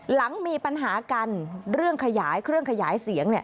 หลังมีปัญหากันเรื่องขยายเครื่องขยายเสียง